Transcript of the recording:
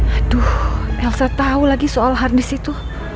aduh elsa tahu lagi soal harddisk itu